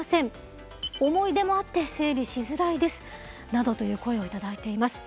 などという声を頂いています。